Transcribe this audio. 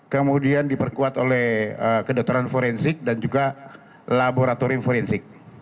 kemudian diperkuat oleh kedokteran forensik dan juga laboratorium forensik